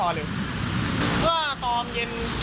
โคกค์ตอนเย็นผมก็เข้าไปดูมานะเอ่ยเขาก็ตามผมอยู่ในบ้าน